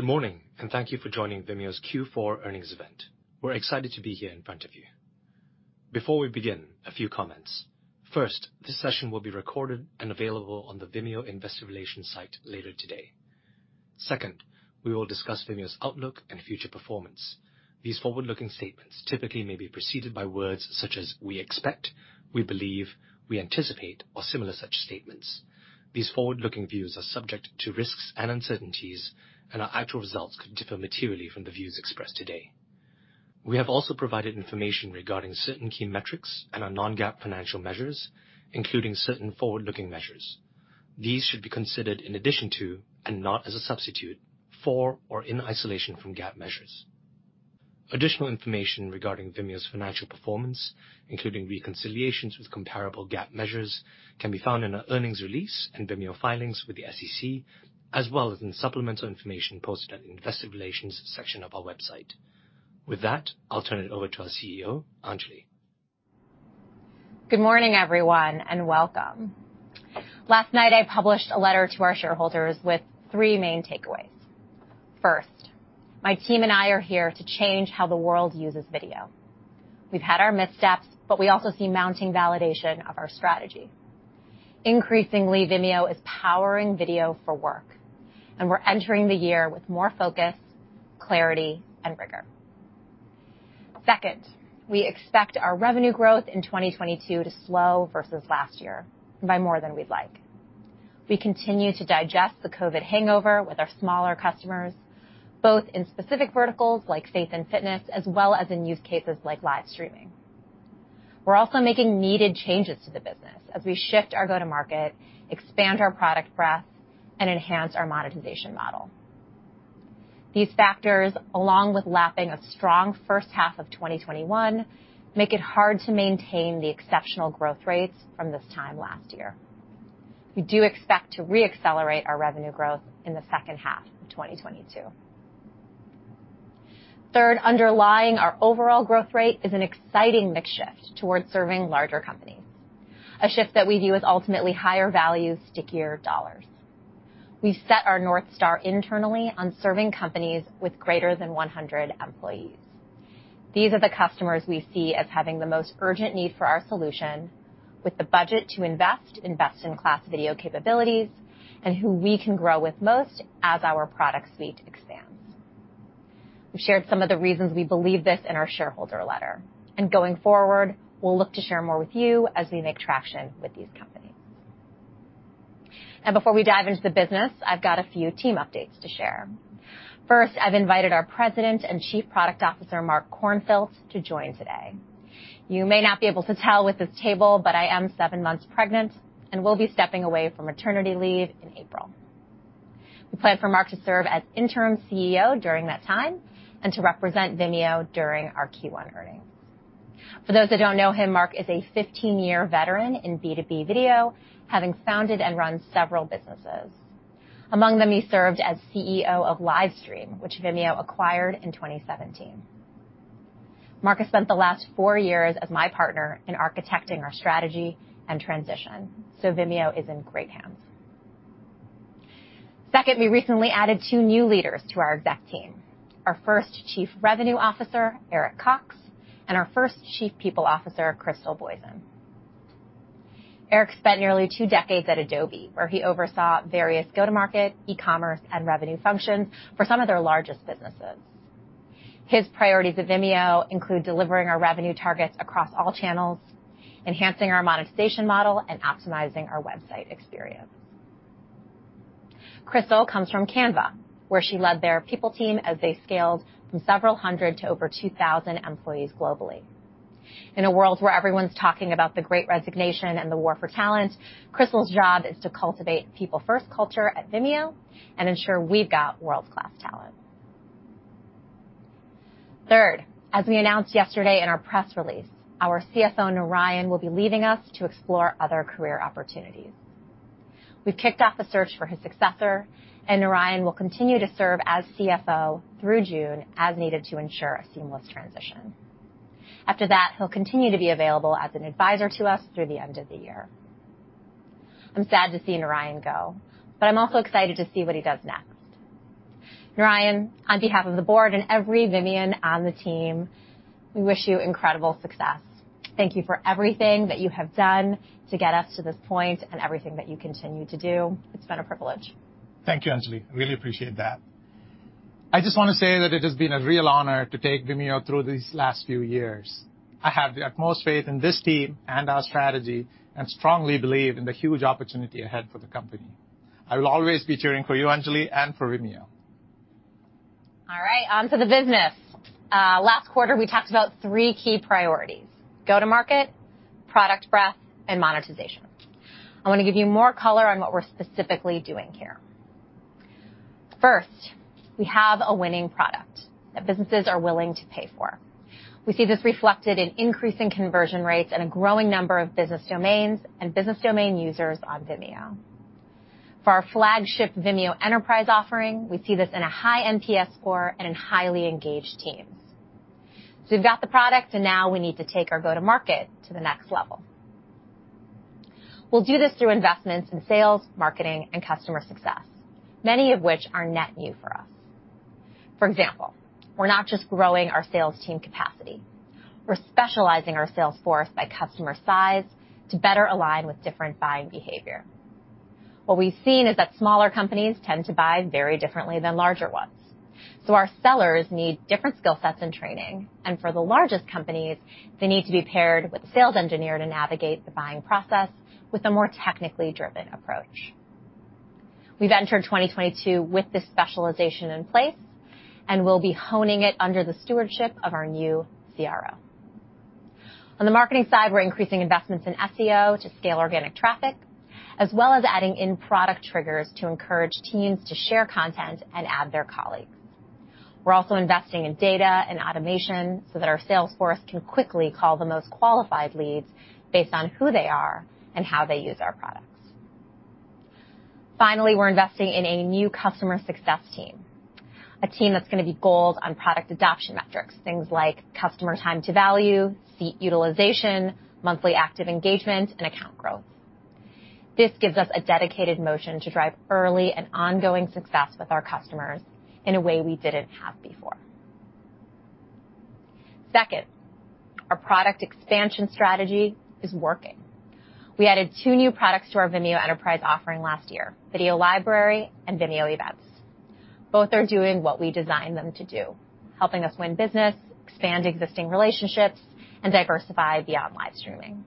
Good morning, and thank you for joining Vimeo's Q4 Earnings Event. We're excited to be here in front of you. Before we begin, a few comments. First, this session will be recorded and available on the Vimeo Investor Relations site later today. Second, we will discuss Vimeo's outlook and future performance. These forward-looking statements typically may be preceded by words such as, we expect, we believe, we anticipate, or similar such statements. These forward-looking views are subject to risks and uncertainties, and our actual results could differ materially from the views expressed today. We have also provided information regarding certain key metrics and our non-GAAP financial measures, including certain forward-looking measures. These should be considered in addition to and not as a substitute for or in isolation from GAAP measures. Additional information regarding Vimeo's financial performance, including reconciliations with comparable GAAP measures, can be found in our earnings release and Vimeo filings with the SEC, as well as in supplemental information posted at Investor Relations section of our website. With that, I'll turn it over to our CEO, Anjali. Good morning, everyone, and welcome. Last night, I published a letter to our shareholders with three main takeaways. First, my team and I are here to change how the world uses video. We've had our missteps, but we also see mounting validation of our strategy. Increasingly, Vimeo is powering video for work, and we're entering the year with more focus, clarity, and rigor. Second, we expect our revenue growth in 2022 to slow versus last year by more than we'd like. We continue to digest the COVID hangover with our smaller customers, both in specific verticals like faith and fitness, as well as in use cases like live streaming. We're also making needed changes to the business as we shift our go-to-market, expand our product breadth, and enhance our monetization model. These factors, along with lapping a strong first half of 2021, make it hard to maintain the exceptional growth rates from this time last year. We do expect to re-accelerate our revenue growth in the second half of 2022. Third, underlying our overall growth rate is an exciting mix shift towards serving larger companies, a shift that we view as ultimately higher value, stickier dollars. We've set our North Star internally on serving companies with greater than 100 employees. These are the customers we see as having the most urgent need for our solution with the budget to invest in best-in-class video capabilities and who we can grow with most as our product suite expands. We've shared some of the reasons we believe this in our shareholder letter. Going forward, we'll look to share more with you as we make traction with these companies. Now, before we dive into the business, I've got a few team updates to share. First, I've invited our President and Chief Product Officer, Mark Kornfilt, to join today. You may not be able to tell with this table, but I am seven months pregnant and will be stepping away for maternity leave in April. We plan for Mark to serve as interim CEO during that time and to represent Vimeo during our Q1 earnings. For those that don't know him, Mark is a 15-year veteran in B2B video, having founded and run several businesses. Among them, he served as CEO of Livestream, which Vimeo acquired in 2017. Mark has spent the last four years as my partner in architecting our strategy and transition, so Vimeo is in great hands. Second, we recently added two new leaders to our exec team. Our first Chief Revenue Officer, Eric Cox, and our first Chief People Officer, Crystal Boysen. Eric spent nearly two decades at Adobe, where he oversaw various go-to-market, e-commerce, and revenue functions for some of their largest businesses. His priorities at Vimeo include delivering our revenue targets across all channels, enhancing our monetization model, and optimizing our website experience. Crystal comes from Canva, where she led their people team as they scaled from several hundred to over 2,000 employees globally. In a world where everyone's talking about the great resignation and the war for talent, Crystal's job is to cultivate people-first culture at Vimeo and ensure we've got world-class talent. Third, as we announced yesterday in our press release, our CFO, Narayan, will be leaving us to explore other career opportunities. We've kicked off the search for his successor, and Narayan will continue to serve as CFO through June as needed to ensure a seamless transition. After that, he'll continue to be available as an advisor to us through the end of the year. I'm sad to see Narayan go, but I'm also excited to see what he does next. Narayan, on behalf of the board and every Vimean on the team, we wish you incredible success. Thank you for everything that you have done to get us to this point and everything that you continue to do. It's been a privilege. Thank you, Anjali. Really appreciate that. I just wanna say that it has been a real honor to take Vimeo through these last few years. I have the utmost faith in this team and our strategy and strongly believe in the huge opportunity ahead for the company. I will always be cheering for you, Anjali, and for Vimeo. All right, on to the business. Last quarter, we talked about three key priorities, go-to-market, product breadth, and monetization. I wanna give you more color on what we're specifically doing here. First, we have a winning product that businesses are willing to pay for. We see this reflected in increasing conversion rates and a growing number of business domains and business domain users on Vimeo. For our flagship Vimeo Enterprise offering, we see this in a high NPS score and in highly engaged teams. We've got the product, and now we need to take our go-to-market to the next level. We'll do this through investments in sales, marketing, and customer success, many of which are net new for us. For example, we're not just growing our sales team capacity. We're specializing our sales force by customer size to better align with different buying behavior. What we've seen is that smaller companies tend to buy very differently than larger ones, so our sellers need different skill sets and training. For the largest companies, they need to be paired with a sales engineer to navigate the buying process with a more technically driven approach. We've entered 2022 with this specialization in place, and we'll be honing it under the stewardship of our new CRO. On the marketing side, we're increasing investments in SEO to scale organic traffic, as well as adding in product triggers to encourage teams to share content and add their colleagues. We're also investing in data and automation so that our sales force can quickly call the most qualified leads based on who they are and how they use our products. Finally, we're investing in a new customer success team, a team that's gonna be gold on product adoption metrics, things like customer time to value, seat utilization, monthly active engagement, and account growth. This gives us a dedicated motion to drive early and ongoing success with our customers in a way we didn't have before. Second, our product expansion strategy is working. We added two new products to our Vimeo Enterprise offering last year, Video Library and Vimeo Events. Both are doing what we designed them to do, helping us win business, expand existing relationships, and diversify beyond live streaming.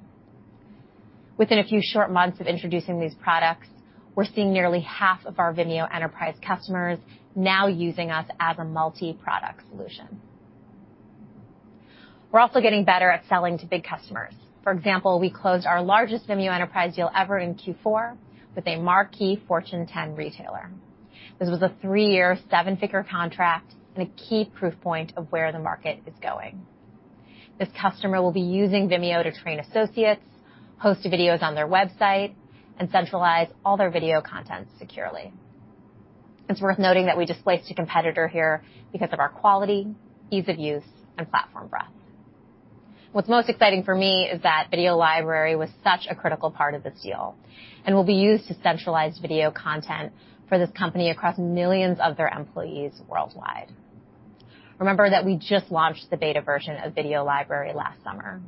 Within a few short months of introducing these products, we're seeing nearly half of our Vimeo Enterprise customers now using us as a multi-product solution. We're also getting better at selling to big customers. For example, we closed our largest Vimeo Enterprise deal ever in Q4 with a marquee Fortune 10 retailer. This was a three-year, seven-figure contract and a key proof point of where the market is going. This customer will be using Vimeo to train associates, host videos on their website, and centralize all their video content securely. It's worth noting that we displaced a competitor here because of our quality, ease of use, and platform breadth. What's most exciting for me is that Video Library was such a critical part of this deal and will be used to centralize video content for this company across millions of their employees worldwide. Remember that we just launched the beta version of Video Library last summer.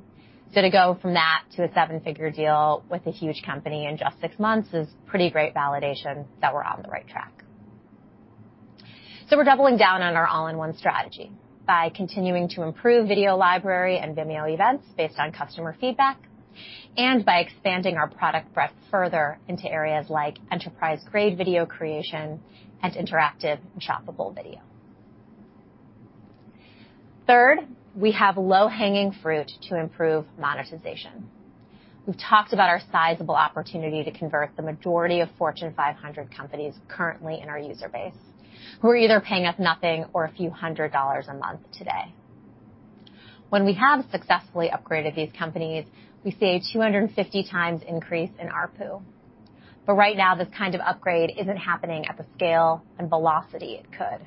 To go from that to a seven-figure deal with a huge company in just six months is pretty great validation that we're on the right track. We're doubling down on our all-in-one strategy by continuing to improve Video Library and Vimeo Events based on customer feedback and by expanding our product breadth further into areas like enterprise-grade video creation and interactive and shoppable video. Third, we have low-hanging fruit to improve monetization. We've talked about our sizable opportunity to convert the majority of Fortune 500 companies currently in our user base who are either paying us nothing or a few hundred dollars a month today. When we have successfully upgraded these companies, we see a 250 times increase in ARPU. But right now, this kind of upgrade isn't happening at the scale and velocity it could.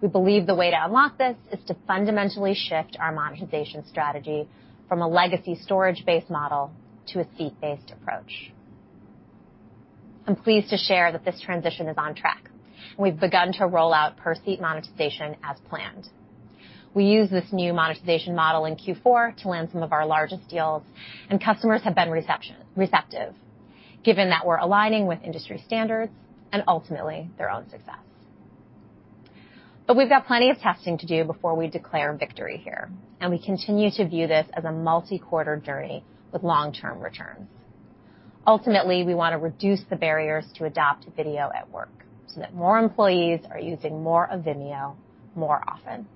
We believe the way to unlock this is to fundamentally shift our monetization strategy from a legacy storage-based model to a seat-based approach. I'm pleased to share that this transition is on track. We've begun to roll out per-seat monetization as planned. We used this new monetization model in Q4 to land some of our largest deals, and customers have been receptive, given that we're aligning with industry standards and ultimately their own success. We've got plenty of testing to do before we declare victory here, and we continue to view this as a multi-quarter journey with long-term returns. Ultimately, we wanna reduce the barriers to adopt video at work so that more employees are using more of Vimeo more often.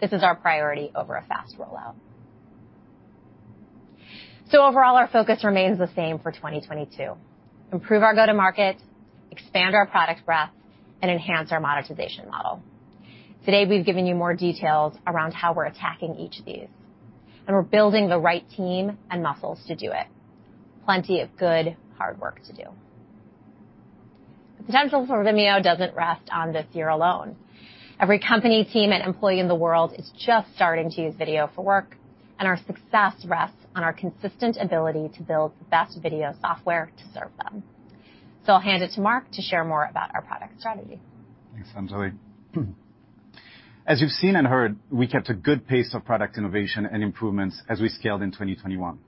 This is our priority over a fast rollout. Overall, our focus remains the same for 2022. Improve our go to market, expand our product breadth, and enhance our monetization model. Today, we've given you more details around how we're attacking each of these, and we're building the right team and muscles to do it. Plenty of good, hard work to do. The potential for Vimeo doesn't rest on this year alone. Every company, team, and employee in the world is just starting to use video for work, and our success rests on our consistent ability to build the best video software to serve them. I'll hand it to Mark to share more about our product strategy. Thanks, Anjali. As you've seen and heard, we kept a good pace of product innovation and improvements as we scaled in 2021.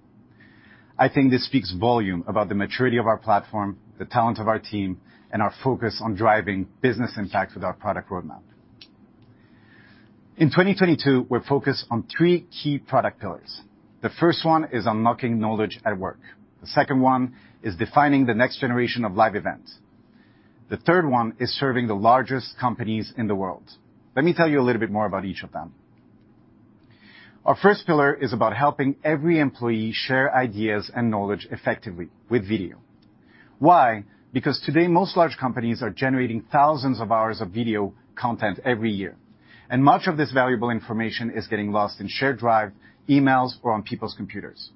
I think this speaks volume about the maturity of our platform, the talent of our team, and our focus on driving business impact with our product roadmap. In 2022, we're focused on three key product pillars. The first one is unlocking knowledge at work. The second one is defining the next generation of live events. The third one is serving the largest companies in the world. Let me tell you a little bit more about each of them. Our first pillar is about helping every employee share ideas and knowledge effectively with video. Why? Because today, most large companies are generating thousands of hours of video content every year, and much of this valuable information is getting lost in shared drive, emails, or on people's computers.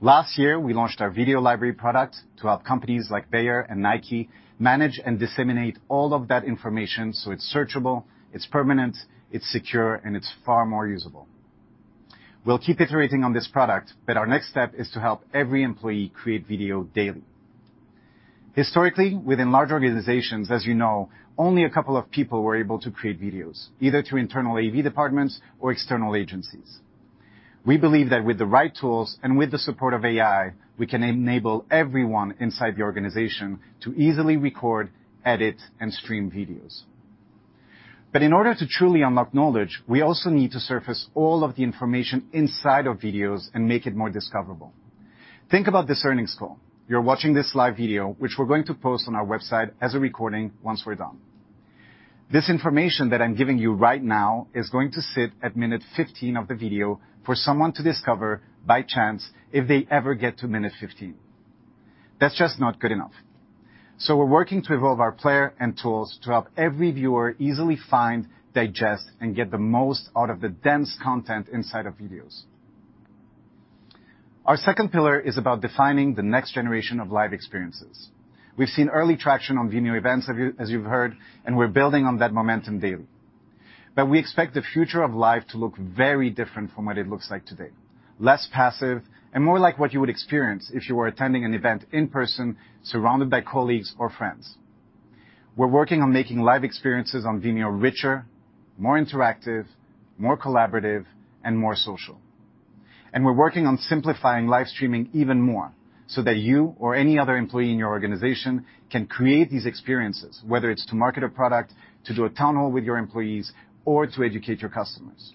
Last year, we launched our Video Library product to help companies like Bayer and Nike manage and disseminate all of that information so it's searchable, it's permanent, it's secure, and it's far more usable. We'll keep iterating on this product, but our next step is to help every employee create video daily. Historically, within large organizations, as you know, only a couple of people were able to create videos, either through internal AV departments or external agencies. We believe that with the right tools and with the support of AI, we can enable everyone inside the organization to easily record, edit, and stream videos. In order to truly unlock knowledge, we also need to surface all of the information inside of videos and make it more discoverable. Think about this earnings call. You're watching this live video, which we're going to post on our website as a recording once we're done. This information that I'm giving you right now is going to sit at minute 15 of the video for someone to discover by chance if they ever get to minute 15. That's just not good enough. We're working to evolve our player and tools to help every viewer easily find, digest, and get the most out of the dense content inside of videos. Our second pillar is about defining the next generation of live experiences. We've seen early traction on Vimeo Events, as you've heard, and we're building on that momentum daily. We expect the future of live to look very different from what it looks like today. Less passive and more like what you would experience if you were attending an event in person, surrounded by colleagues or friends. We're working on making live experiences on Vimeo richer, more interactive, more collaborative, and more social. We're working on simplifying live streaming even more so that you or any other employee in your organization can create these experiences, whether it's to market a product, to do a town hall with your employees, or to educate your customers.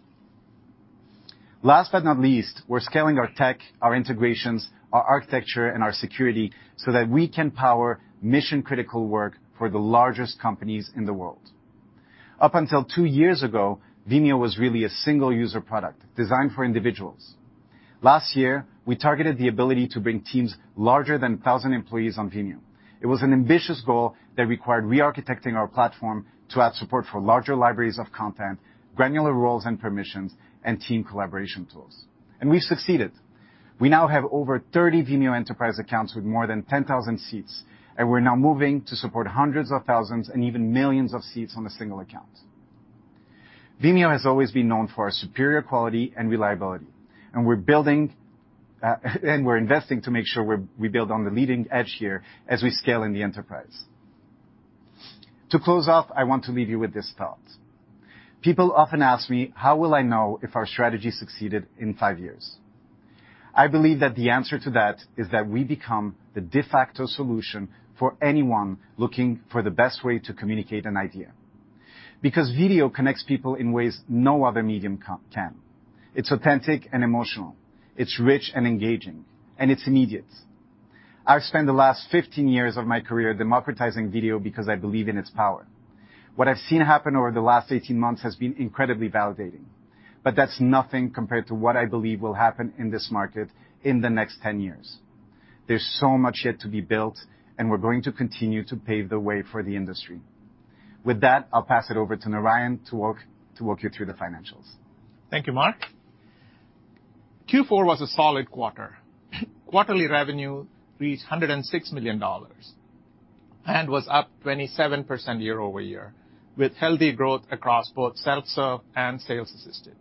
Last but not least, we're scaling our tech, our integrations, our architecture, and our security so that we can power mission-critical work for the largest companies in the world. Up until two years ago, Vimeo was really a single-user product designed for individuals. Last year, we targeted the ability to bring teams larger than 1,000 employees on Vimeo. It was an ambitious goal that required re-architecting our platform to add support for larger libraries of content, granular roles and permissions, and team collaboration tools. We've succeeded. We now have over 30 Vimeo Enterprise accounts with more than 10,000 seats, and we're now moving to support hundreds of thousands and even millions of seats on a single account. Vimeo has always been known for our superior quality and reliability, and we're investing to make sure we build on the leading edge here as we scale in the enterprise. To close off, I want to leave you with this thought. People often ask me, "How will I know if our strategy succeeded in five years?" I believe that the answer to that is that we become the de facto solution for anyone looking for the best way to communicate an idea. Because video connects people in ways no other medium can. It's authentic and emotional, it's rich and engaging, and it's immediate. I've spent the last 15 years of my career democratizing video because I believe in its power. What I've seen happen over the last 18 months has been incredibly validating, but that's nothing compared to what I believe will happen in this market in the next 10 years. There's so much yet to be built, and we're going to continue to pave the way for the industry. With that, I'll pass it over to Narayan to walk you through the financials. Thank you, Mark. Q4 was a solid quarter. Quarterly revenue reached $106 million and was up 27% year-over-year, with healthy growth across both self-serve and sales assisted.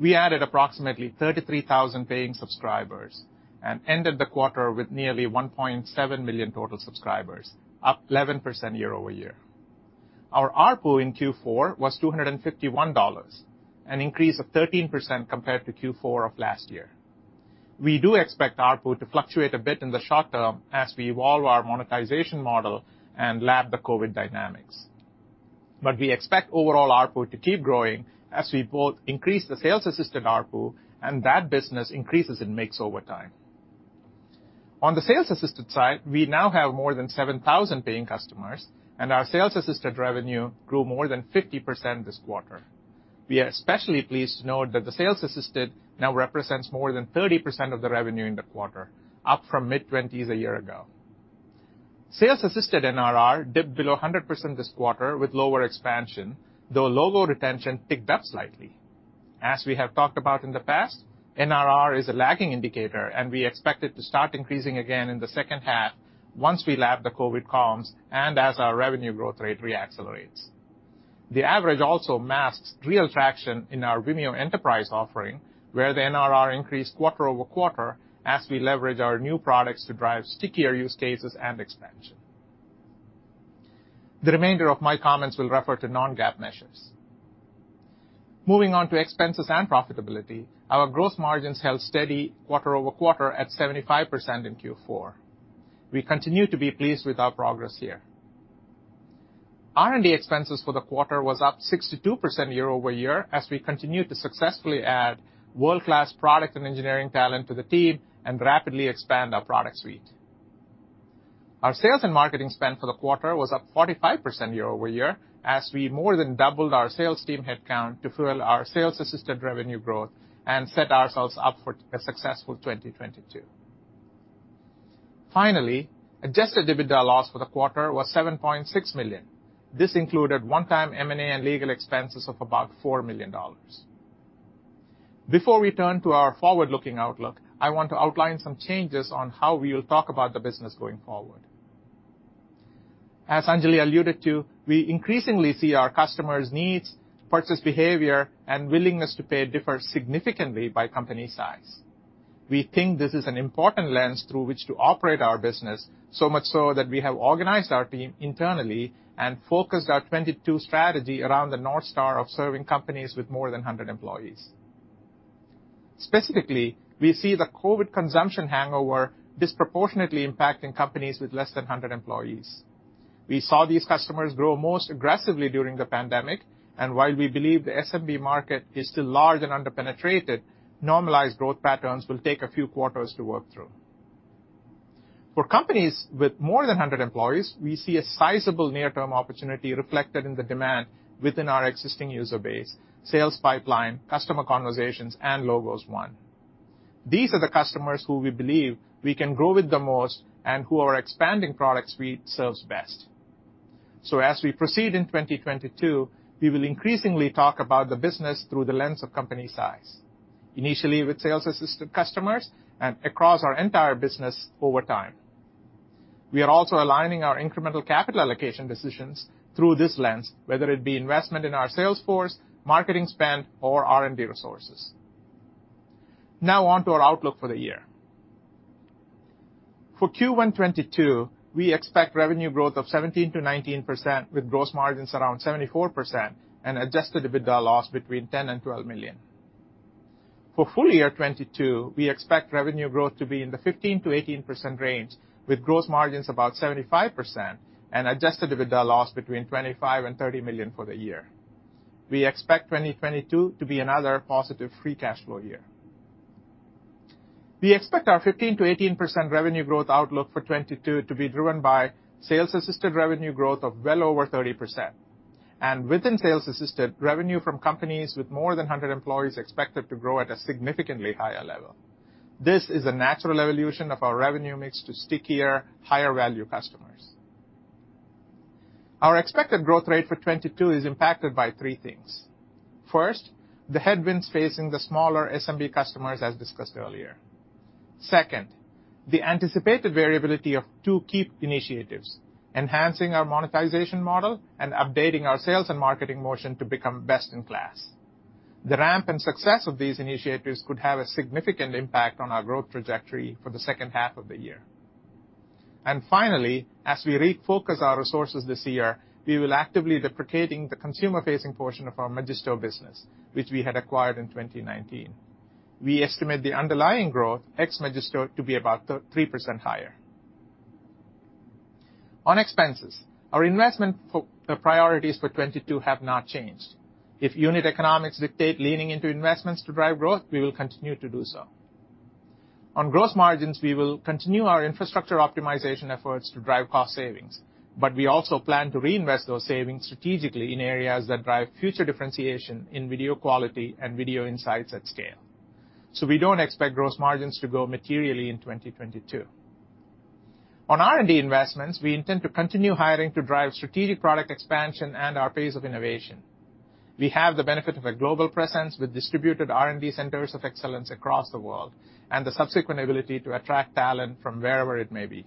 We added approximately 33,000 paying subscribers and ended the quarter with nearly 1.7 million total subscribers, up 11% year-over-year. Our ARPU in Q4 was $251, an increase of 13% compared to Q4 of last year. We do expect ARPU to fluctuate a bit in the short term as we evolve our monetization model and adapt to the COVID dynamics. We expect overall ARPU to keep growing as we both increase the sales assisted ARPU and that business increases in mix over time. On the sales assistant side, we now have more than 7,000 paying customers, and our sales assistant revenue grew more than 50% this quarter. We are especially pleased to note that the sales assistant now represents more than 30% of the revenue in the quarter, up from mid-20s a year ago. Sales Assistant NRR dipped below 100% this quarter with lower expansion, though logo retention ticked up slightly. We have talked about in the past, NRR is a lagging indicator and we expect it to start increasing again in the second half once we lap the COVID comms and as our revenue growth rate re-accelerates. The average also masks real traction in our Vimeo Enterprise offering, where the NRR increased quarter-over-quarter as we leverage our new products to drive stickier use cases and expansion. The remainder of my comments will refer to non-GAAP measures. Moving on to expenses and profitability, our growth margins held steady quarter over quarter at 75% in Q4. We continue to be pleased with our progress here. R&D expenses for the quarter was up 62% year-over-year as we continued to successfully add world-class product and engineering talent to the team and rapidly expand our product suite. Our sales and marketing spend for the quarter was up 45% year-over-year as we more than doubled our sales team headcount to fuel our sales assistant revenue growth and set ourselves up for a successful 2022. Finally, adjusted EBITDA loss for the quarter was $7.6 million. This included one-time M&A and legal expenses of about $4 million. Before we turn to our forward-looking outlook, I want to outline some changes on how we will talk about the business going forward. As Anjali alluded to, we increasingly see our customers' needs, purchase behavior, and willingness to pay differ significantly by company size. We think this is an important lens through which to operate our business, so much so that we have organized our team internally and focused our 2022 strategy around the north star of serving companies with more than 100 employees. Specifically, we see the COVID consumption hangover disproportionately impacting companies with less than 100 employees. We saw these customers grow most aggressively during the pandemic, and while we believe the SMB market is still large and under-penetrated, normalized growth patterns will take a few quarters to work through. For companies with more than 100 employees, we see a sizable near-term opportunity reflected in the demand within our existing user base, sales pipeline, customer conversations, and logos won. These are the customers who we believe we can grow with the most and who our expanding product suite serves best. As we proceed in 2022, we will increasingly talk about the business through the lens of company size, initially with sales-assisted customers and across our entire business over time. We are also aligning our incremental capital allocation decisions through this lens, whether it be investment in our sales force, marketing spend, or R&D resources. Now on to our outlook for the year. For Q1 2022, we expect revenue growth of 17%-19% with gross margins around 74% and adjusted EBITDA loss between $10 million and $12 million. For full year 2022, we expect revenue growth to be in the 15%-18% range with gross margins about 75% and adjusted EBITDA loss between $25 million and $30 million for the year. We expect 2022 to be another positive free cash flow year. We expect our 15%-18% revenue growth outlook for 2022 to be driven by sales-assisted revenue growth of well over 30%, and within sales-assisted, revenue from companies with more than 100 employees expected to grow at a significantly higher level. This is a natural evolution of our revenue mix to stickier, higher value customers. Our expected growth rate for 2022 is impacted by three things. First, the headwinds facing the smaller SMB customers, as discussed earlier. Second, the anticipated variability of two key initiatives, enhancing our monetization model and updating our sales and marketing motion to become best in class. The ramp and success of these initiatives could have a significant impact on our growth trajectory for the second half of the year. Finally, as we refocus our resources this year, we will actively deprecating the consumer-facing portion of our Magisto business, which we had acquired in 2019. We estimate the underlying growth, ex-Magisto, to be about 3% higher. On expenses, our investment priorities for 2022 have not changed. If unit economics dictate leaning into investments to drive growth, we will continue to do so. On gross margins, we will continue our infrastructure optimization efforts to drive cost savings, but we also plan to reinvest those savings strategically in areas that drive future differentiation in video quality and video insights at scale. We don't expect gross margins to grow materially in 2022. On R&D investments, we intend to continue hiring to drive strategic product expansion and our pace of innovation. We have the benefit of a global presence with distributed R&D centers of excellence across the world, and the subsequent ability to attract talent from wherever it may be.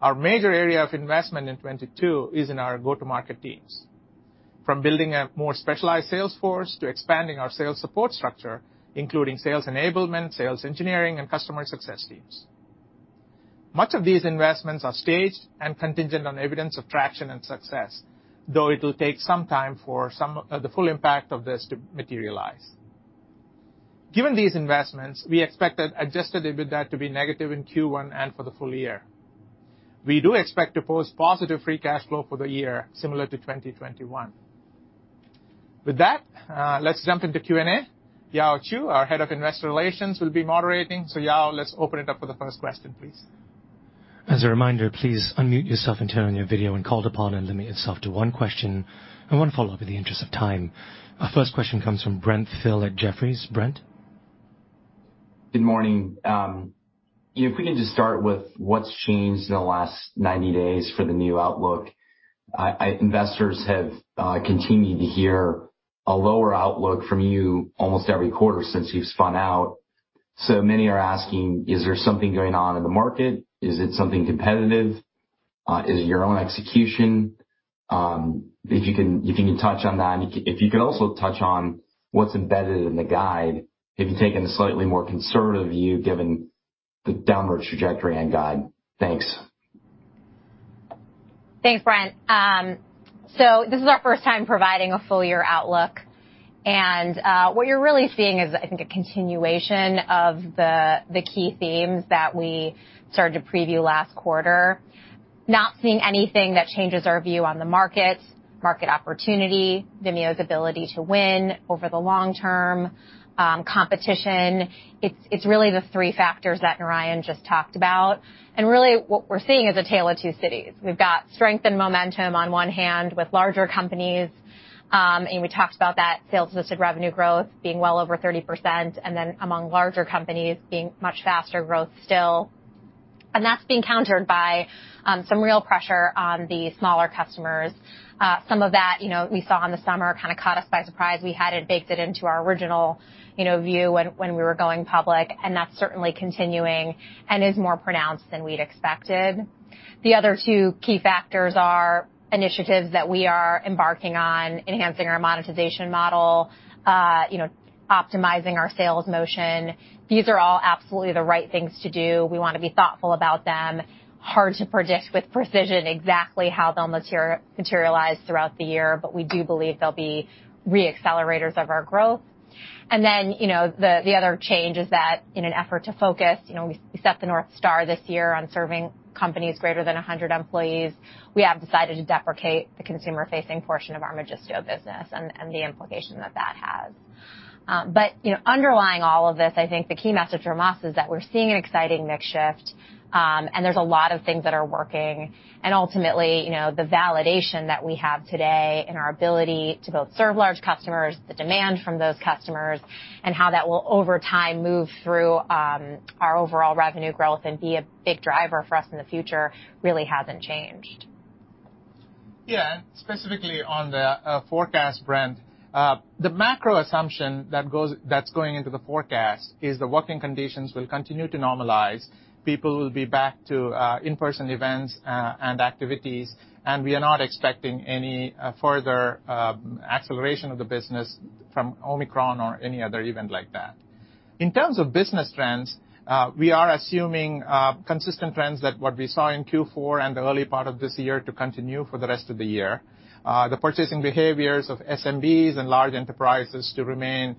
Our major area of investment in 2022 is in our go-to-market teams, from building a more specialized sales force to expanding our sales support structure, including sales enablement, sales engineering, and customer success teams. Much of these investments are staged and contingent on evidence of traction and success, though it'll take some time for the full impact of this to materialize. Given these investments, we expect adjusted EBITDA to be negative in Q1 and for the full year. We do expect to post positive free cash flow for the year, similar to 2021. With that, let's jump into Q&A. Yaoxian Chew, our Head of Investor Relations, will be moderating. So Yao, let's open it up for the first question, please. As a reminder, please unmute yourself and turn on your video when called upon and limit yourself to one question and one follow-up in the interest of time. Our first question comes from Brent Thill at Jefferies. Brent? Good morning. You know, if we can just start with what's changed in the last 90 days for the new outlook. Investors have continued to hear a lower outlook from you almost every quarter since you've spun out. Many are asking, "Is there something going on in the market? Is it something competitive? Is it your own execution?" If you can touch on that, and if you could also touch on what's embedded in the guide, if you've taken a slightly more conservative view given the downward trajectory and guide. Thanks. Thanks, Brent. This is our first time providing a full year outlook. What you're really seeing is I think a continuation of the key themes that we started to preview last quarter. Not seeing anything that changes our view on the market opportunity, Vimeo's ability to win over the long term, competition. It's really the three factors that Narayan just talked about. Really what we're seeing is a tale of two cities. We've got strength and momentum on one hand with larger companies, and we talked about that sales assisted revenue growth being well over 30%, and then among larger companies being much faster growth still. That's being countered by some real pressure on the smaller customers. Some of that, you know, we saw in the summer kinda caught us by surprise. We hadn't baked it into our original, you know, view when we were going public, and that's certainly continuing and is more pronounced than we'd expected. The other two key factors are initiatives that we are embarking on enhancing our monetization model, you know, optimizing our sales motion. These are all absolutely the right things to do. We wanna be thoughtful about them. Hard to predict with precision exactly how they'll materialize throughout the year, but we do believe they'll be re-accelerators of our growth. Then, you know, the other change is that in an effort to focus, you know, we set the North Star this year on serving companies greater than 100 employees. We have decided to deprecate the consumer-facing portion of our Magisto business and the implication that that has. You know, underlying all of this, I think the key message from us is that we're seeing an exciting mix shift, and there's a lot of things that are working, and ultimately, you know, the validation that we have today in our ability to both serve large customers, the demand from those customers, and how that will over time move through our overall revenue growth and be a big driver for us in the future really hasn't changed. Specifically on the forecast Brent, the macro assumption that's going into the forecast is the working conditions will continue to normalize. People will be back to in-person events and activities, and we are not expecting any further acceleration of the business from Omicron or any other event like that. In terms of business trends, we are assuming consistent trends with what we saw in Q4 and the early part of this year to continue for the rest of the year. The purchasing behaviors of SMBs and large enterprises to remain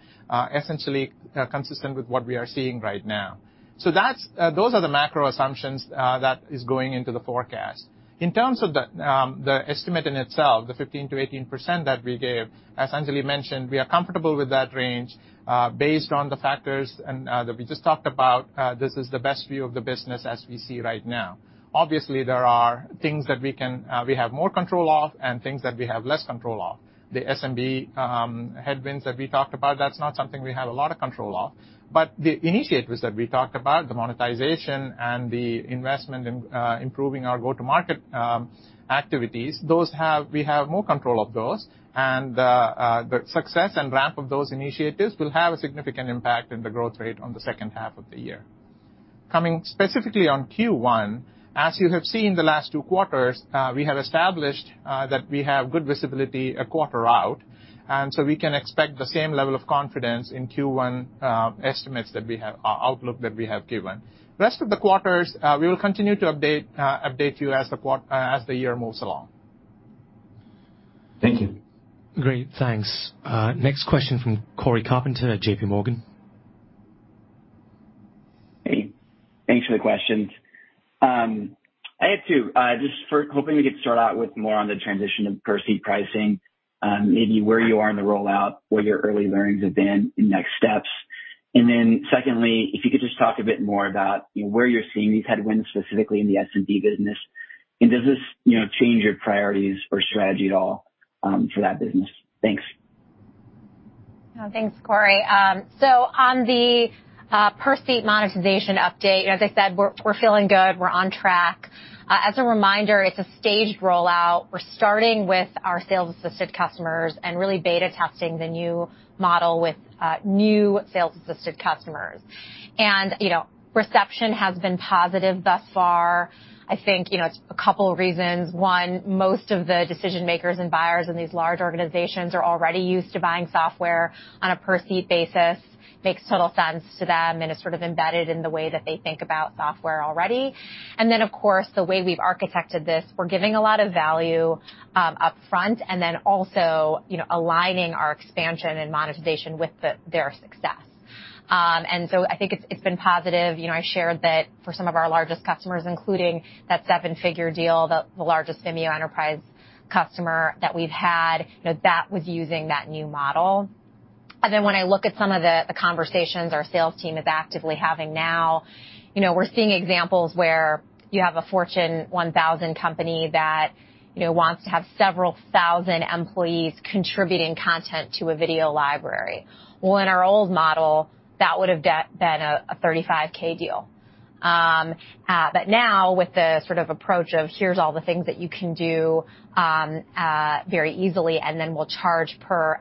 essentially consistent with what we are seeing right now. Those are the macro assumptions that are going into the forecast. In terms of the estimate in itself, the 15%-18% that we gave, as Anjali mentioned, we are comfortable with that range, based on the factors and that we just talked about, this is the best view of the business as we see right now. Obviously, there are things that we have more control of and things that we have less control of. The SMB headwinds that we talked about, that's not something we have a lot of control of. But the initiatives that we talked about, the monetization and the investment in improving our go-to-market activities, those, we have more control of those, and the success and ramp of those initiatives will have a significant impact in the growth rate on the second half of the year. Coming specifically on Q1, as you have seen the last two quarters, we have established that we have good visibility a quarter out, and so we can expect the same level of confidence in Q1 outlook that we have given. The rest of the quarters, we will continue to update you as the year moves along. Thank you. Great. Thanks. Next question from Cory Carpenter at JP Morgan. Hey, thanks for the questions. I have two. Just hoping we could start out with more on the transition of per-seat pricing, maybe where you are in the rollout, what your early learnings have been and next steps. Secondly, if you could just talk a bit more about, you know, where you're seeing these headwinds specifically in the SMB business. Does this, you know, change your priorities or strategy at all, for that business? Thanks. Thanks, Corey. So on the per-seat monetization update, as I said, we're feeling good. We're on track. As a reminder, it's a staged rollout. We're starting with our sales assisted customers and really beta testing the new model with new sales assisted customers. You know, reception has been positive thus far. I think, you know, it's a couple reasons. One, most of the decision-makers and buyers in these large organizations are already used to buying software on a per-seat basis. Makes total sense to them, and it's sort of embedded in the way that they think about software already. And then, of course, the way we've architected this, we're giving a lot of value upfront and then also, you know, aligning our expansion and monetization with their success. I think it's been positive. You know, I shared that for some of our largest customers, including that seven-figure deal, the largest Vimeo Enterprise customer that we've had, you know, that was using that new model. When I look at some of the conversations our sales team is actively having now, you know, we're seeing examples where you have a Fortune 1000 company that, you know, wants to have several thousand employees contributing content to a Video Library. Well, in our old model, that would've been a $35K deal. But now with the sort of approach of here's all the things that you can do very easily, and then we'll charge per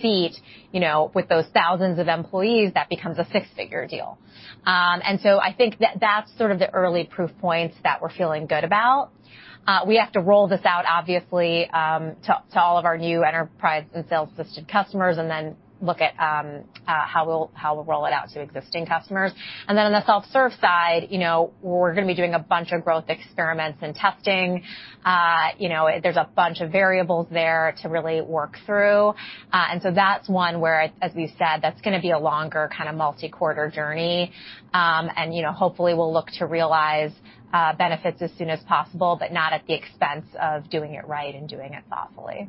seat, you know, with those thousands of employees, that becomes a six-figure deal. I think that that's sort of the early proof points that we're feeling good about. We have to roll this out obviously to all of our new enterprise and sales assisted customers and then look at how we'll roll it out to existing customers. On the self-serve side, you know, we're gonna be doing a bunch of growth experiments and testing. You know, there's a bunch of variables there to really work through. That's one where, as we said, that's gonna be a longer kinda multi-quarter journey. You know, hopefully we'll look to realize benefits as soon as possible, but not at the expense of doing it right and doing it thoughtfully.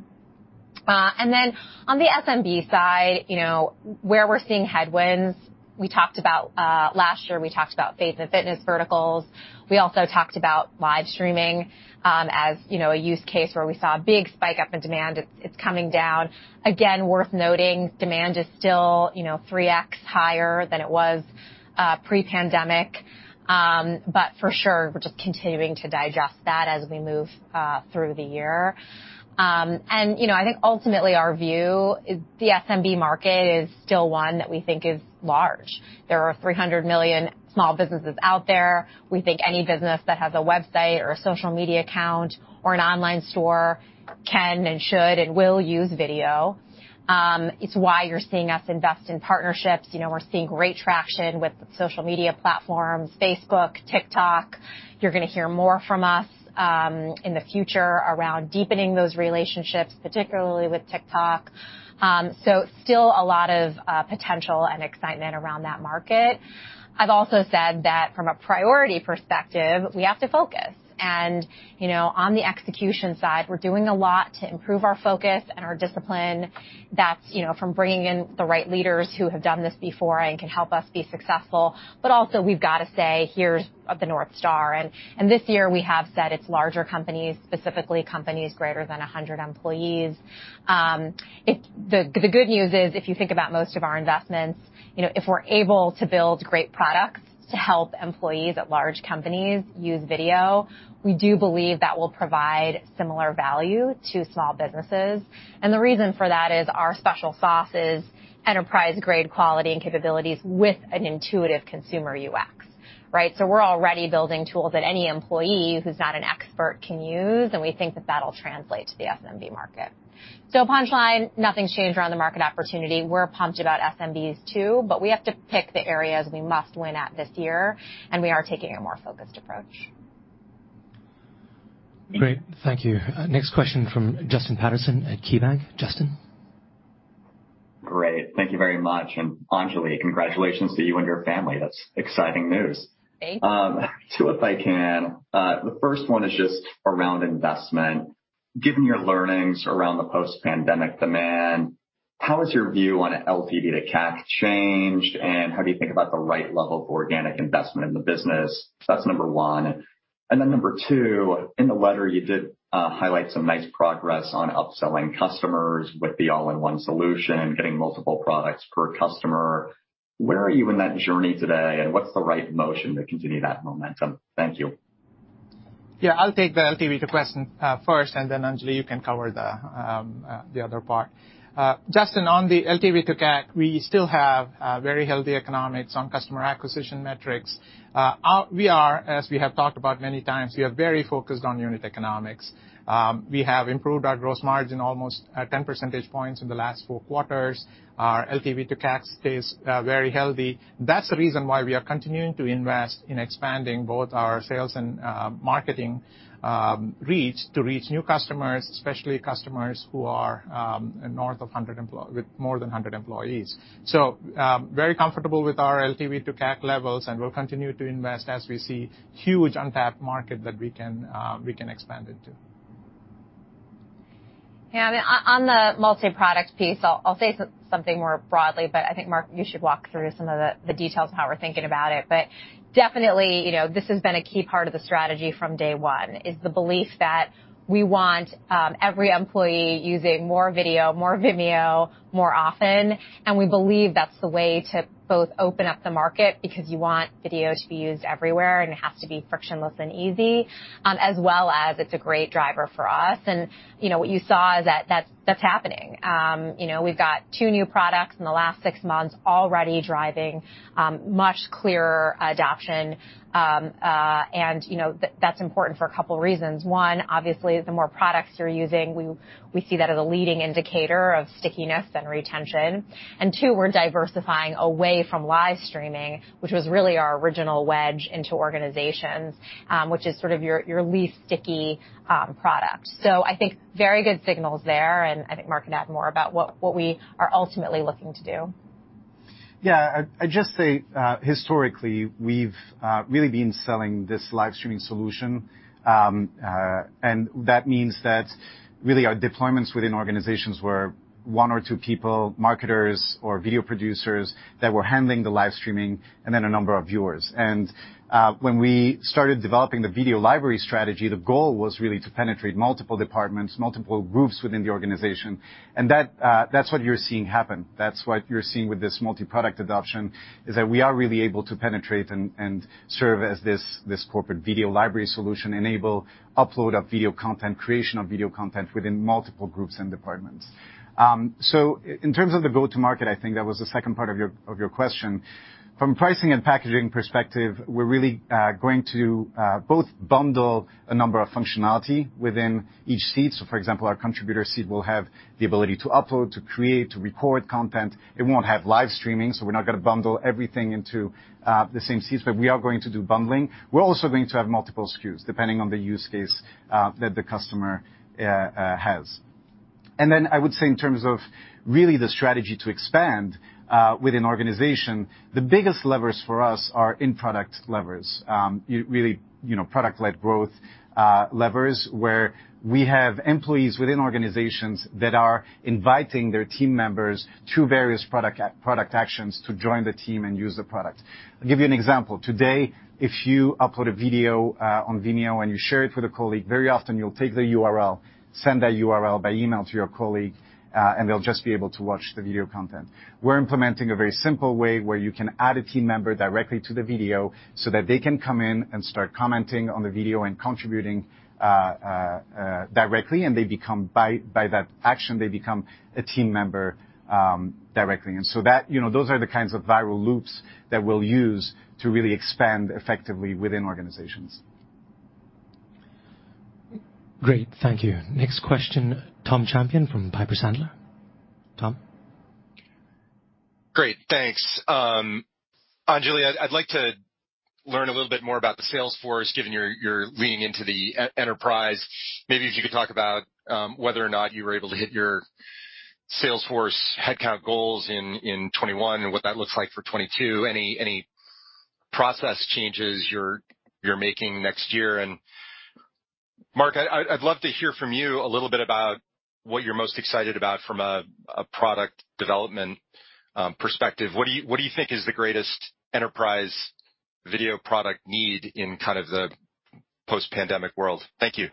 On the SMB side, you know, where we're seeing headwinds, we talked about last year faith and fitness verticals. We also talked about live streaming, as you know, a use case where we saw a big spike up in demand. It's coming down. Again, worth noting, demand is still, you know, 3x higher than it was pre-pandemic. For sure, we're just continuing to digest that as we move through the year. You know, I think ultimately our view is the SMB market is still one that we think is large. There are 300 million small businesses out there. We think any business that has a website or a social media account or an online store can and should and will use video. It's why you're seeing us invest in partnerships. You know, we're seeing great traction with social media platforms, Facebook, TikTok. You're gonna hear more from us in the future around deepening those relationships, particularly with TikTok. Still a lot of potential and excitement around that market. I've also said that from a priority perspective, we have to focus. You know, on the execution side, we're doing a lot to improve our focus and our discipline. That's you know from bringing in the right leaders who have done this before and can help us be successful. But also we've got to say, "Here's the North Star." This year we have said it's larger companies, specifically companies greater than 100 employees. The good news is, if you think about most of our investments, you know, if we're able to build great products to help employees at large companies use video, we do believe that will provide similar value to small businesses. The reason for that is our special sauce is enterprise-grade quality and capabilities with an intuitive consumer UX, right? We're already building tools that any employee who's not an expert can use, and we think that that'll translate to the SMB market. Punch line, nothing's changed around the market opportunity. We're pumped about SMBs too, but we have to pick the areas we must win at this year, and we are taking a more focused approach. Great. Thank you. Next question from Justin Patterson at KeyBanc. Justin. Great. Thank you very much. Anjali, congratulations to you and your family. That's exciting news. Thank you. Two, if I can. The first one is just around investment. Given your learnings around the post-pandemic demand, how has your view on LTV to CAC changed, and how do you think about the right level of organic investment in the business? That's number one. Then number two, in the letter, you did highlight some nice progress on upselling customers with the all-in-one solution, getting multiple products per customer. Where are you in that journey today, and what's the right motion to continue that momentum? Thank you. Yeah. I'll take the LTV to CAC question first, and then Anjali, you can cover the other part. Justin, on the LTV to CAC, we still have very healthy economics on customer acquisition metrics. We are, as we have talked about many times, very focused on unit economics. We have improved our gross margin almost 10 percentage points in the last four quarters. Our LTV to CAC stays very healthy. That's the reason why we are continuing to invest in expanding both our sales and marketing reach to reach new customers, especially customers who are north of 100 with more than 100 employees. Very comfortable with our LTV to CAC levels, and we'll continue to invest as we see huge untapped market that we can expand into. Yeah. I mean, on the multi-product piece, I'll say something more broadly, but I think, Mark, you should walk through some of the details of how we're thinking about it. Definitely, you know, this has been a key part of the strategy from day one, is the belief that we want every employee using more video, more Vimeo more often. We believe that's the way to both open up the market because you want video to be used everywhere, and it has to be frictionless and easy, as well as it's a great driver for us. You know, what you saw is that that's happening. You know, we've got two new products in the last six months already driving much clearer adoption. You know, that's important for a couple reasons. One, obviously, the more products you're using, we see that as a leading indicator of stickiness and retention. Two, we're diversifying away from live streaming, which was really our original wedge into organizations, which is sort of your least sticky product. I think very good signals there, and I think Mark can add more about what we are ultimately looking to do. Yeah. I'd just say historically we've really been selling this live streaming solution. That means that really our deployments within organizations were one or two people, marketers or video producers, that were handling the live streaming and then a number of viewers. When we started developing the video library strategy, the goal was really to penetrate multiple departments, multiple groups within the organization. That's what you're seeing happen. That's what you're seeing with this multi-product adoption, is that we are really able to penetrate and serve as this corporate video library solution, enable upload of video content, creation of video content within multiple groups and departments. In terms of the go-to-market, I think that was the second part of your question. From a pricing and packaging perspective, we're really going to both bundle a number of functionality within each seat. For example, our contributor seat will have the ability to upload, to create, to record content. It won't have live streaming, so we're not gonna bundle everything into the same seats, but we are going to do bundling. We're also going to have multiple SKUs, depending on the use case that the customer has. I would say in terms of really the strategy to expand within organization, the biggest levers for us are in-product levers. Really, you know, product-led growth. Levers where we have employees within organizations that are inviting their team members to various product actions to join the team and use the product. I'll give you an example. Today, if you upload a video on Vimeo and you share it with a colleague, very often you'll take the URL, send that URL by email to your colleague, and they'll just be able to watch the video content. We're implementing a very simple way where you can add a team member directly to the video so that they can come in and start commenting on the video and contributing directly, and they become by that action a team member directly. That, you know, those are the kinds of viral loops that we'll use to really expand effectively within organizations. Great. Thank you. Next question, Tom Champion from Piper Sandler. Tom. Great. Thanks. Anjali, I'd like to learn a little bit more about the sales force, given you're leaning into the enterprise. Maybe if you could talk about whether or not you were able to hit your sales force headcount goals in 2021 and what that looks like for 2022. Any process changes you're making next year? Mark, I'd love to hear from you a little bit about what you're most excited about from a product development perspective. What do you think is the greatest enterprise video product need in kind of the post-pandemic world? Thank you.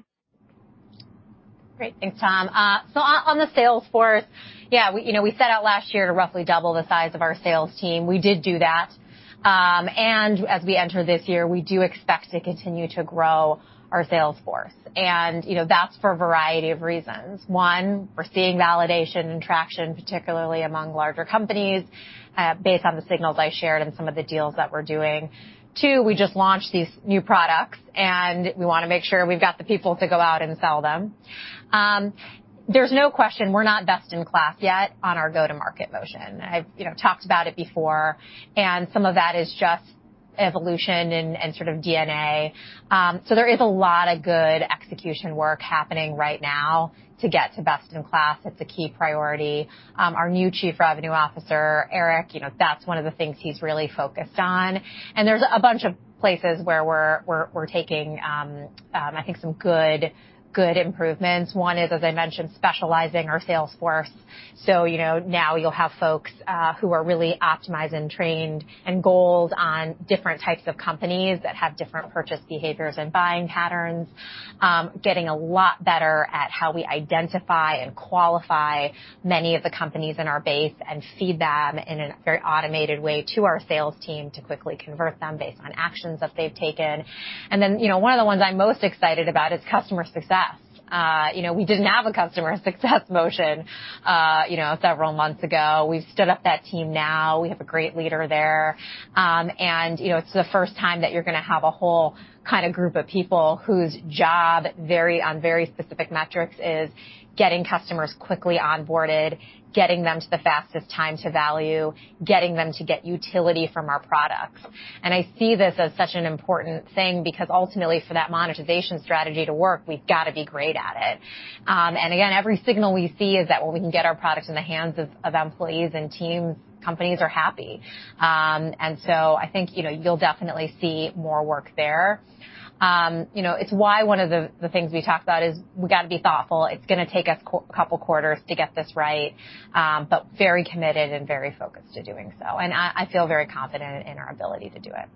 Great. Thanks, Tom. On the sales force, yeah, you know, we set out last year to roughly double the size of our sales team. We did do that. As we enter this year, we do expect to continue to grow our sales force. You know, that's for a variety of reasons. One, we're seeing validation and traction, particularly among larger companies, based on the signals I shared and some of the deals that we're doing. Two, we just launched these new products, and we wanna make sure we've got the people to go out and sell them. There's no question we're not best in class yet on our go-to-market motion. I've, you know, talked about it before, and some of that is just evolution and sort of DNA. There is a lot of good execution work happening right now to get to best in class. It's a key priority. Our new Chief Revenue Officer, Eric, you know, that's one of the things he's really focused on. There's a bunch of places where we're taking, I think some good improvements. One is, as I mentioned, specializing our sales force. You know, now you'll have folks who are really optimized and trained and goaled on different types of companies that have different purchase behaviors and buying patterns. Getting a lot better at how we identify and qualify many of the companies in our base and feed them in a very automated way to our sales team to quickly convert them based on actions that they've taken. You know, one of the ones I'm most excited about is customer success. You know, we didn't have a customer success motion, you know, several months ago. We've stood up that team now. We have a great leader there. You know, it's the first time that you're gonna have a whole kinda group of people whose job on very specific metrics is getting customers quickly onboarded, getting them to the fastest time to value, getting them to get utility from our products. I see this as such an important thing because ultimately, for that monetization strategy to work, we've gotta be great at it. Again, every signal we see is that when we can get our products in the hands of employees and teams, companies are happy. I think, you know, you'll definitely see more work there. You know, it's why one of the things we talked about is we've gotta be thoughtful. It's gonna take us a couple quarters to get this right, but very committed and very focused to doing so. I feel very confident in our ability to do it.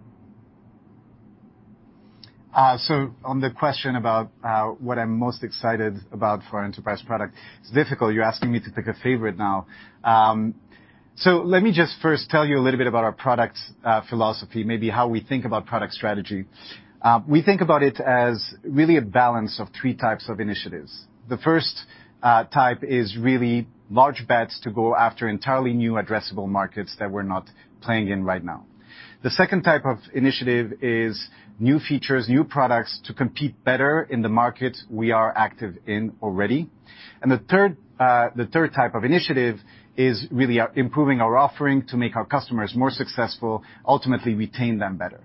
On the question about what I'm most excited about for our enterprise product, it's difficult. You're asking me to pick a favorite now. Let me just first tell you a little bit about our product philosophy, maybe how we think about product strategy. We think about it as really a balance of three types of initiatives. The first type is really large bets to go after entirely new addressable markets that we're not playing in right now. The second type of initiative is new features, new products to compete better in the markets we are active in already. The third type of initiative is really improving our offering to make our customers more successful, ultimately retain them better.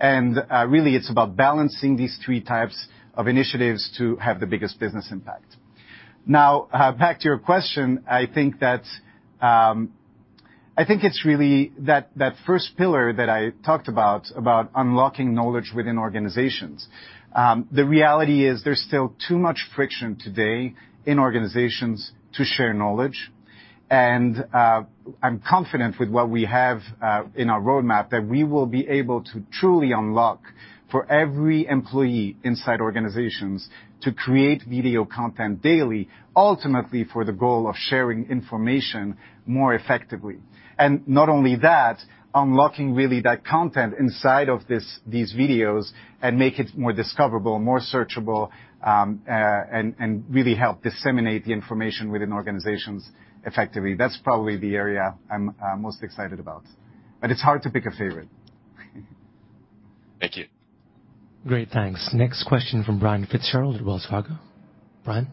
Really, it's about balancing these three types of initiatives to have the biggest business impact. Now, back to your question, I think it's really that first pillar that I talked about unlocking knowledge within organizations. The reality is there's still too much friction today in organizations to share knowledge. I'm confident with what we have in our roadmap that we will be able to truly unlock for every employee inside organizations to create video content daily, ultimately for the goal of sharing information more effectively. Not only that, unlocking really that content inside of these videos and make it more discoverable, more searchable, and really help disseminate the information within organizations effectively. That's probably the area I'm most excited about. It's hard to pick a favorite. Thank you. Great. Thanks. Next question from Brian Fitzgerald at Wells Fargo. Brian?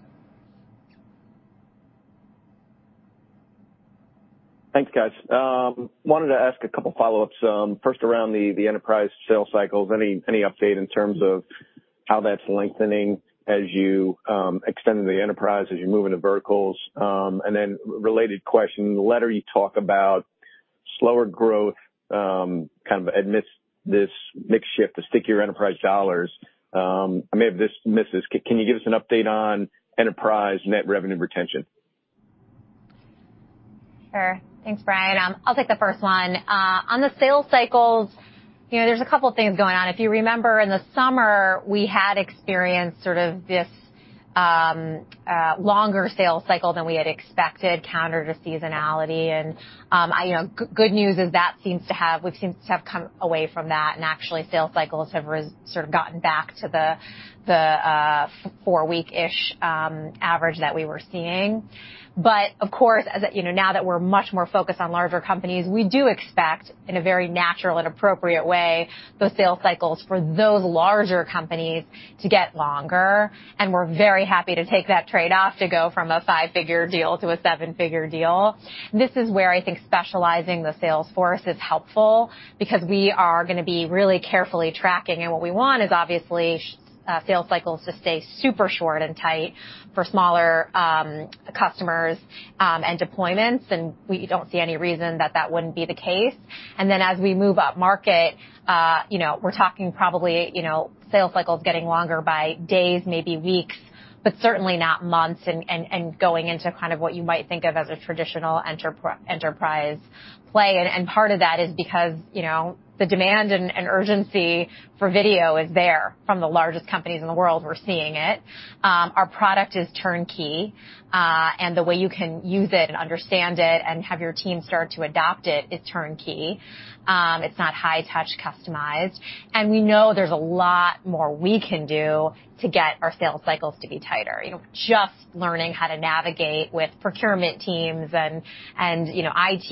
Thanks, guys. I wanted to ask a couple follow-ups. First around the enterprise sales cycles. Any update in terms of how that's lengthening as you extend into the enterprise, as you move into verticals? A related question. In the letter, you talk about slower growth, kind of amidst this mix shift to stickier enterprise dollars, I may have missed this. Can you give us an update on enterprise net revenue retention? Sure. Thanks, Brian. I'll take the first one. On the sales cycles, you know, there's a couple things going on. If you remember, in the summer, we had experienced sort of this longer sales cycle than we had expected counter to seasonality. Good news is we seem to have come away from that, and actually sales cycles have sort of gotten back to the four-week-ish average that we were seeing. But of course, you know, now that we're much more focused on larger companies, we do expect, in a very natural and appropriate way, the sales cycles for those larger companies to get longer, and we're very happy to take that trade-off to go from a five-figure deal to a seven-figure deal. This is where I think specializing the sales force is helpful because we are gonna be really carefully tracking. What we want is obviously sales cycles to stay super short and tight for smaller customers, and deployments, and we don't see any reason that that wouldn't be the case. Then as we move upmarket, you know, we're talking probably, you know, sales cycles getting longer by days, maybe weeks, but certainly not months and going into kind of what you might think of as a traditional enterprise play. Part of that is because, you know, the demand and urgency for video is there from the largest companies in the world. We're seeing it. Our product is turnkey, and the way you can use it and understand it and have your team start to adopt it is turnkey. It's not high touch customized. We know there's a lot more we can do to get our sales cycles to be tighter. You know, just learning how to navigate with procurement teams and, you know, IT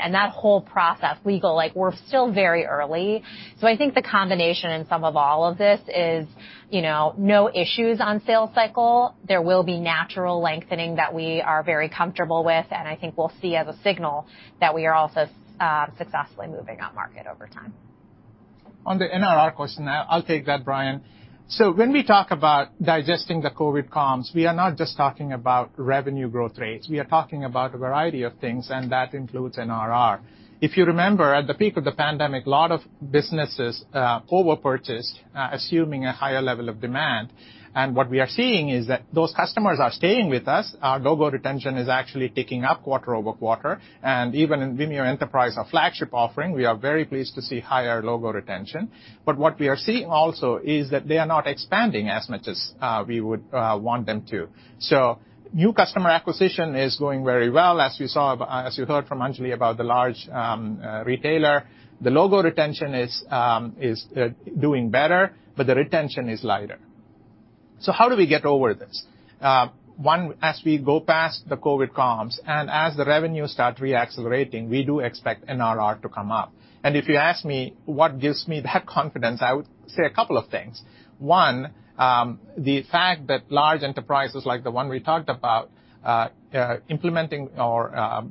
and that whole process, legal, like, we're still very early. I think the combination and sum of all of this is, you know, no issues on sales cycle. There will be natural lengthening that we are very comfortable with, and I think we'll see as a signal that we are also successfully moving upmarket over time. On the NRR question, I'll take that, Brian. When we talk about digesting the COVID comms, we are not just talking about revenue growth rates. We are talking about a variety of things, and that includes NRR. If you remember, at the peak of the pandemic, a lot of businesses over-purchased assuming a higher level of demand. What we are seeing is that those customers are staying with us. Our logo retention is actually ticking up quarter-over-quarter. Even in Vimeo Enterprise, our flagship offering, we are very pleased to see higher logo retention. What we are seeing also is that they are not expanding as much as we would want them to. New customer acquisition is going very well, as you saw, as you heard from Anjali about the large retailer. The logo retention is doing better, but the retention is lighter. How do we get over this? One, as we go past the COVID comms and as the revenue start re-accelerating, we do expect NRR to come up. If you ask me what gives me that confidence, I would say a couple of things. One, the fact that large enterprises like the one we talked about implementing or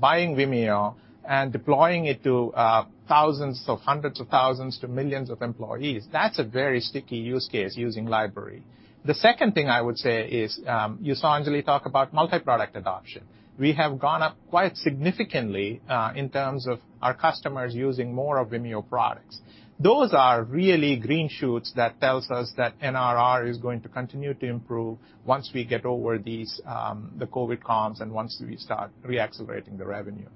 buying Vimeo and deploying it to thousands to millions of employees, that's a very sticky use case using library. The second thing I would say is, you saw Anjali talk about multiproduct adoption. We have gone up quite significantly in terms of our customers using more of Vimeo products. Those are really green shoots that tells us that NRR is going to continue to improve once we get over these, the COVID comms and once we start re-accelerating the revenue.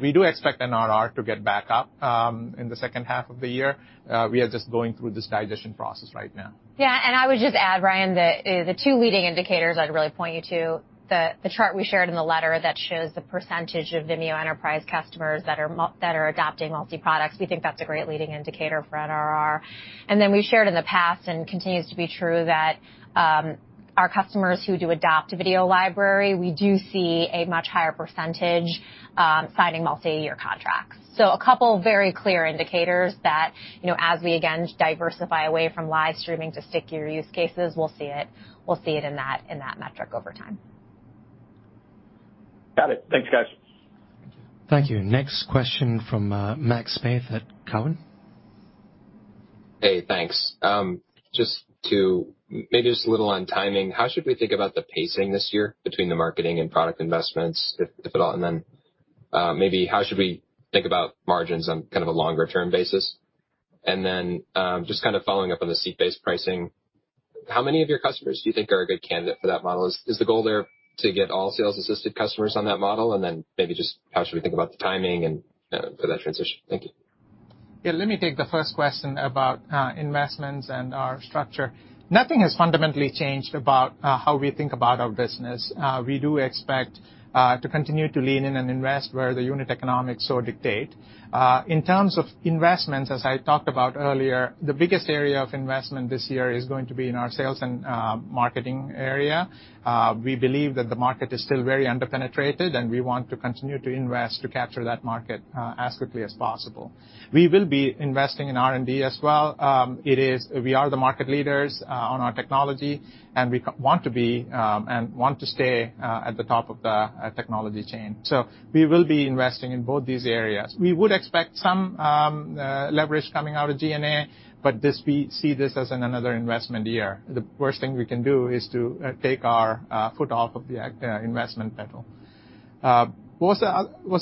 We do expect NRR to get back up in the second half of the year. We are just going through this digestion process right now. Yeah. I would just add, Brian, the two leading indicators I'd really point you to, the chart we shared in the letter that shows the percentage of Vimeo Enterprise customers that are adopting multiproducts. We think that's a great leading indicator for NRR. Then we shared in the past, and continues to be true, that our customers who do adopt a Video Library, we do see a much higher percentage signing multiyear contracts. A couple of very clear indicators that, you know, as we again diversify away from live streaming to stickier use cases, we'll see it. We'll see it in that metric over time. Got it. Thanks, guys. Thank you. Next question from Max Spaeth at Cowen. Hey, thanks. Maybe just a little on timing. How should we think about the pacing this year between the marketing and product investments, if at all? Maybe how should we think about margins on kind of a longer-term basis? Just kind of following up on the seat-based pricing, how many of your customers do you think are a good candidate for that model? Is the goal there to get all sales-assisted customers on that model? Maybe just how should we think about the timing and for that transition? Thank you. Yeah. Let me take the first question about investments and our structure. Nothing has fundamentally changed about how we think about our business. We do expect to continue to lean in and invest where the unit economics so dictate. In terms of investments, as I talked about earlier, the biggest area of investment this year is going to be in our sales and marketing area. We believe that the market is still very under-penetrated, and we want to continue to invest to capture that market as quickly as possible. We will be investing in R&D as well. We are the market leaders on our technology, and we want to be and stay at the top of the technology chain. We will be investing in both these areas. We would expect some leverage coming out of G&A, but this, we see this as another investment year. The worst thing we can do is to take our foot off of the investment pedal. Was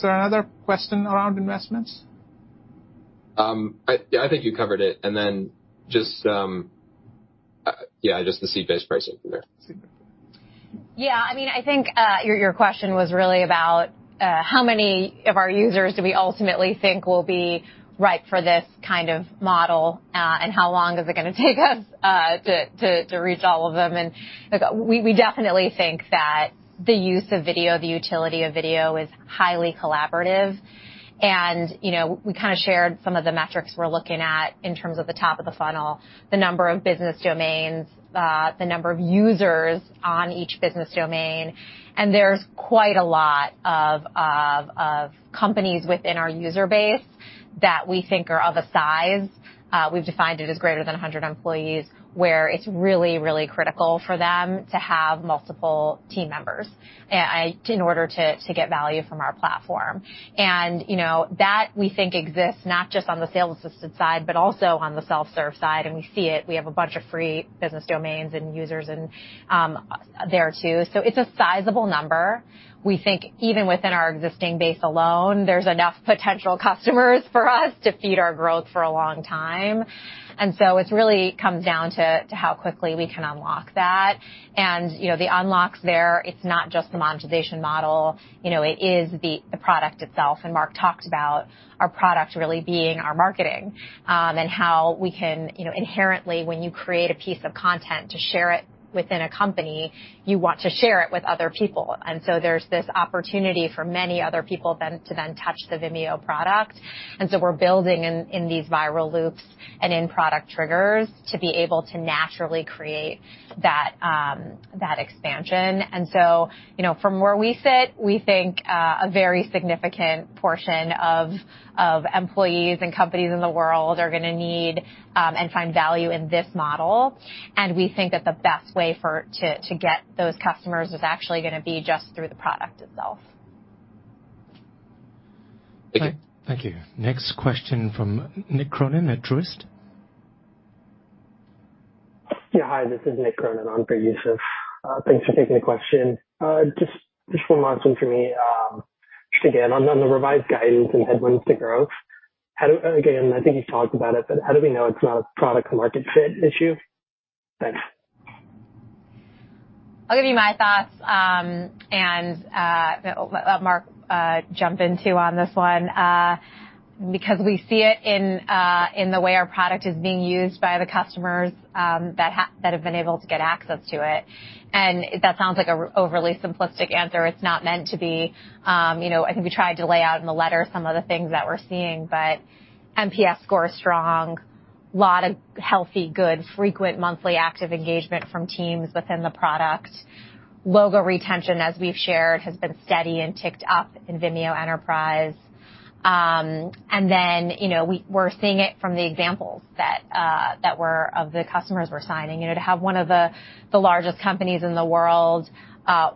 there another question around investments? I think you covered it. Just the seat-based pricing from there. Yeah. I mean, I think, your question was really about, how many of our users do we ultimately think will be ripe for this kind of model, and how long is it gonna take us, to reach all of them. Look, we definitely think that the use of video, the utility of video is highly collaborative. You know, we kinda shared some of the metrics we're looking at in terms of the top of the funnel, the number of business domains, the number of users on each business domain. There's quite a lot of companies within our user base that we think are of a size we've defined it as greater than 100 employees, where it's really critical for them to have multiple team members in order to get value from our platform. You know, that we think exists not just on the sales assistant side, but also on the self-serve side, and we see it. We have a bunch of free business domains and users there too. It's a sizable number. We think even within our existing base alone, there's enough potential customers for us to feed our growth for a long time. It really comes down to how quickly we can unlock that. You know, the unlocks there, it's not just the monetization model. You know, it is the product itself. Mark talked about our product really being our marketing, and how we can, you know, inherently, when you create a piece of content to share it within a company, you want to share it with other people. There's this opportunity for many other people to then touch the Vimeo product. We're building in these viral loops and in-product triggers to be able to naturally create that expansion. You know, from where we sit, we think a very significant portion of employees and companies in the world are gonna need and find value in this model. We think that the best way to get those customers is actually gonna be just through the product itself. Thank you. Next question from Nick Cronin at Truist. Yeah, hi, this is Nick Cronin on for Youssef. Thanks for taking the question. Just one last one for me. Just again on the revised guidance and headwinds to growth. Again, I think you've talked about it, but how do we know it's not a product market fit issue? Thanks. I'll give you my thoughts, and I'll let Mark jump in too on this one. Because we see it in the way our product is being used by the customers that have been able to get access to it. That sounds like an overly simplistic answer. It's not meant to be. You know, I think we tried to lay out in the letter some of the things that we're seeing, but NPS score is strong. Lot of healthy, good, frequent monthly active engagement from teams within the product. Logo retention, as we've shared, has been steady and ticked up in Vimeo Enterprise. Then, you know, we're seeing it from the examples of the customers we're signing. You know, to have one of the largest companies in the world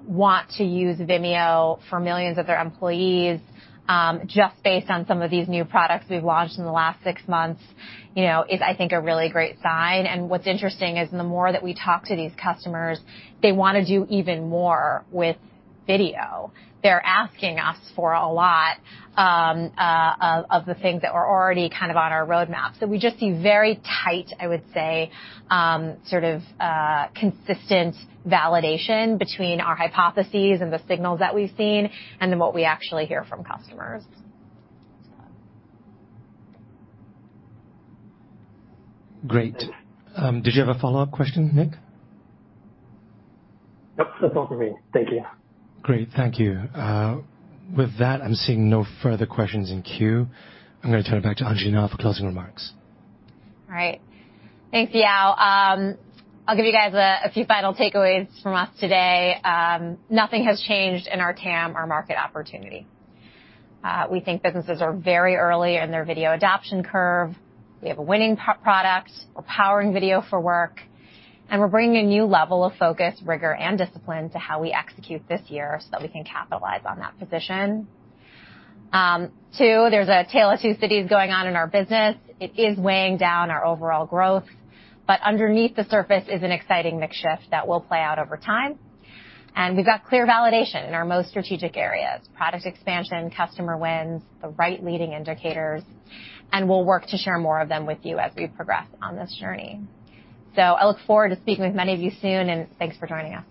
want to use Vimeo for millions of their employees just based on some of these new products we've launched in the last six months, you know, is I think a really great sign. What's interesting is the more that we talk to these customers, they wanna do even more with video. They're asking us for a lot of the things that were already kind of on our roadmap. We just see very tight, I would say, sort of consistent validation between our hypotheses and the signals that we've seen and then what we actually hear from customers. Great. Did you have a follow-up question, Nick? Nope, that's all for me. Thank you. Great. Thank you. With that, I'm seeing no further questions in queue. I'm gonna turn it back to Anjali for closing remarks. All right. Thanks, Yao. I'll give you guys a few final takeaways from us today. Nothing has changed in our TAM, our market opportunity. We think businesses are very early in their video adoption curve. We have a winning product. We're powering video for work. We're bringing a new level of focus, rigor, and discipline to how we execute this year so that we can capitalize on that position. Two, there's a tale of two cities going on in our business. It is weighing down our overall growth. But underneath the surface is an exciting mix shift that will play out over time. We've got clear validation in our most strategic areas, product expansion, customer wins, the right leading indicators. We'll work to share more of them with you as we progress on this journey. I look forward to speaking with many of you soon, and thanks for joining us.